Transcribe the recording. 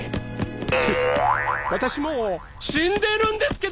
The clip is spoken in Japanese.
って私もう死んでるんですけど！